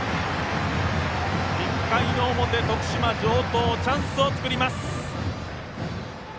１回の表、徳島・城東チャンスを作ります。